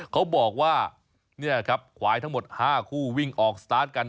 เขาบอกว่าเนี่ยครับควายทั้งหมด๕คู่วิ่งออกสตาร์ทกัน